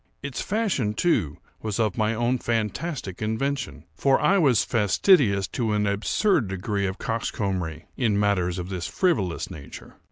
Its fashion, too, was of my own fantastic invention; for I was fastidious to an absurd degree of coxcombry, in matters of this frivolous nature.